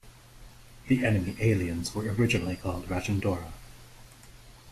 The enemy aliens were originally called Rajendora.